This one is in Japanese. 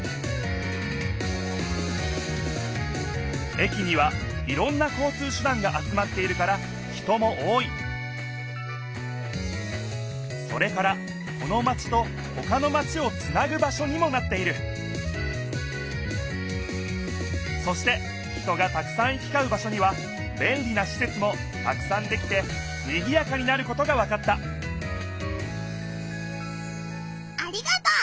駅にはいろんな交通手だんが集まっているから人も多いそれからこのマチとほかのマチをつなぐ場しょにもなっているそして人がたくさん行きかう場しょにはべんりなしせつもたくさんできてにぎやかになることがわかったありがとう！